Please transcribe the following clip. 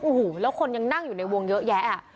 โอ้โหแล้วคนยังนั่งอยู่ในวงเยอะแยะ